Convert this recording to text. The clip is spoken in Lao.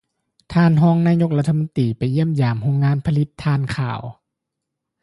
ທ່ານຮອງນາຍົກລັດຖະມົນຕີ ໄປຢ້ຽມຢາມໂຮງງານຜະລິດຖ່ານຂາວ